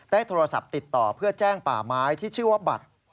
โทรศัพท์ติดต่อเพื่อแจ้งป่าไม้ที่ชื่อว่าบัตร